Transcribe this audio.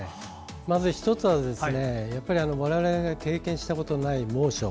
まず１つは我々が経験したことのない猛暑。